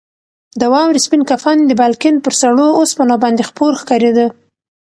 د واورې سپین کفن د بالکن پر سړو اوسپنو باندې خپور ښکارېده.